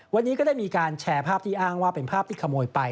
วันนี้ก็ได้มีการแชร์ภาพที่อ้างว่าเป็นภาพที่ขโมยไป